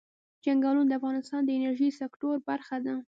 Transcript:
چنګلونه د افغانستان د انرژۍ سکتور برخه ده.